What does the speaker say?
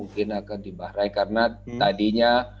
kemungkinan akan di bahrain karena tadinya